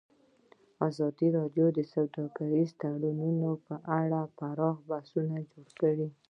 ازادي راډیو د سوداګریز تړونونه په اړه پراخ بحثونه جوړ کړي.